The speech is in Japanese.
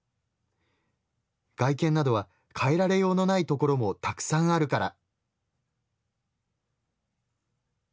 外見などは変えられようのないところもたくさんあるから」。